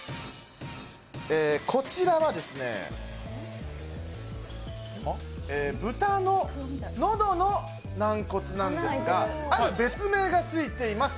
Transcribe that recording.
こちらは豚の喉の軟骨なんですが、ある別名がついています。